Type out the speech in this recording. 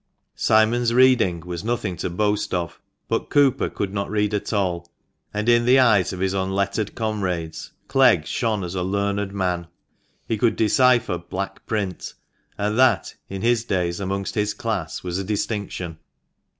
Simon's reading was nothing to boast of, but Cooper could not read at all ; and in the eyes of his unlettered comrades Clegg shone as a learned man. He could decipher "black print," and that, in his days, amongst his class, was a distinction.